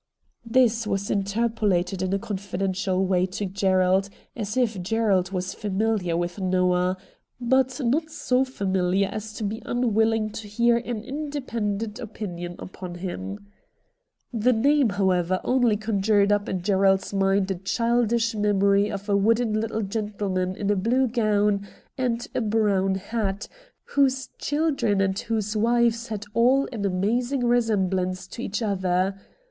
This was interpolated in a confidential way to Gerald, as if Gerald was familiar with Xoah, but not so familiar as to be unwilling to hear an independent opinion upon him. The name, however, only conjured up ia Gerald's mind a childish memory of a wooden little gentleman in a blue gown and a brown hat, whose children and whose wives had all an amazing resemblance to each other.